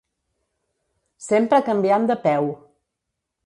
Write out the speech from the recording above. Sempre canviant de peu.